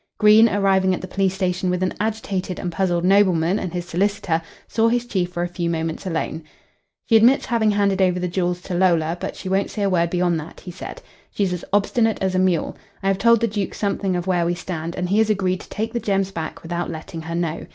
Green, arriving at the police station with an agitated and puzzled nobleman and his solicitor, saw his chief for a few moments alone. "She admits having handed over the jewels to Lola, but she won't say a word beyond that," he said. "She's as obstinate as a mule. I have told the Duke something of where we stand, and he has agreed to take the gems back without letting her know.